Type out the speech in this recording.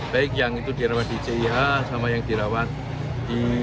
baik yang itu dirawat di cih sama yang dirawat di